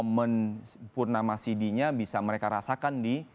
men sepurnama sidinya bisa mereka rasakan di